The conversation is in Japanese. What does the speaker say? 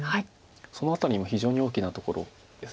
その辺りも非常に大きなところです。